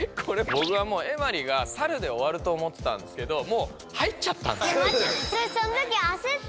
ぼくはエマリがサルでおわると思ってたんですけどもう入っちゃったんです。